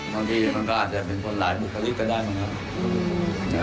บางทีมันก็อาจจะเป็นคนหลายบุคลิกก็ได้มั้งครับ